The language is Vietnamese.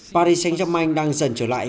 paris saint germain đang dần trở lại